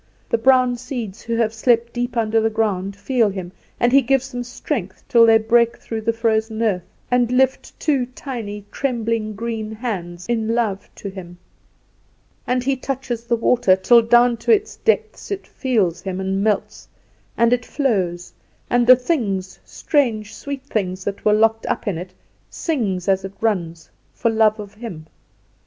The brown seeds, who have slept deep under the ground, feel him, and he gives them strength, till they break through the frozen earth, and lift two tiny, trembling green hands in love to him. And he touches the water, till down to its depths it feels him and melts, and it flows, and the things, strange sweet things that were locked up in it, it sings as it runs, for love of him.